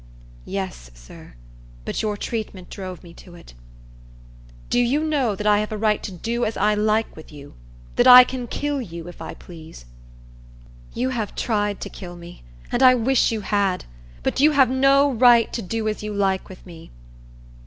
"Yes, sir; but your treatment drove me to it." "Do you know that I have a right to do as I like with you,—that I can kill you, if I please?" "You have tried to kill me, and I wish you had; but you have no right to do as you like with me."